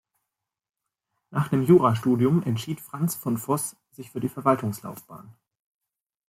Nach dem Jurastudium entschied Franz von Voß sich für die Verwaltungslaufbahn.